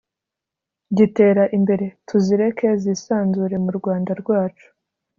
gitera imbere. Tuzireke zisanzure mu Rwanda rwacu